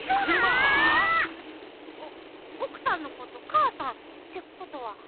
お奥さんのこと「母さん」ってことは。